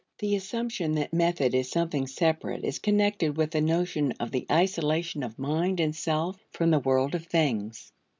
The assumption that method is something separate is connected with the notion of the isolation of mind and self from the world of things.